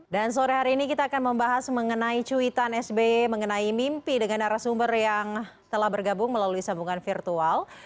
dan sore hari ini kita akan membahas mengenai cuitan sbe mengenai mimpi dengan arah sumber yang telah bergabung melalui sambungan virtual